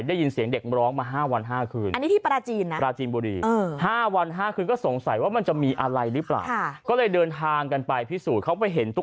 ได้ยินเสียงเด็กเราะมาห้าวันห้าคืน